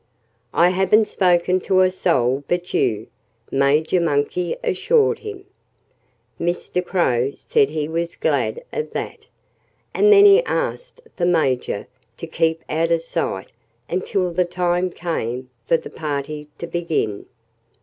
"I haven't spoken to a soul but you," Major Monkey assured him. Mr. Crow said he was glad of that. And then he asked the Major to keep out of sight until the time came for the party to begin.